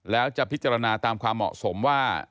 แล้วจะพิจารณาตามความเหมาะสมว่า